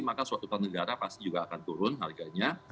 maka suatu tahun negara pasti juga akan turun harganya